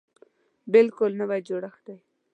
بلکل نوی جوړښت دی.